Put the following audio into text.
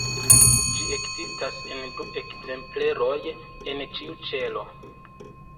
Ĝi ekzistas en du ekzempleroj en ĉiu ĉelo.